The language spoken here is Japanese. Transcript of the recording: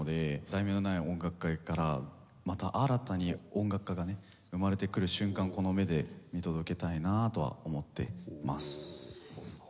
『題名のない音楽会』からまた新たに音楽家がね生まれてくる瞬間をこの目で見届けたいなとは思ってます。